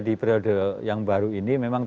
di periode yang baru ini memang